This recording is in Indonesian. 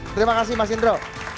terima kasih mas indro